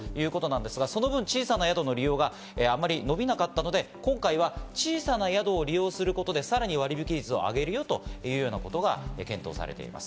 その分、小さな宿の利用があまり伸びなかったので、今回は小さな宿を利用することでさらに割引率をあげるよということが検討されています。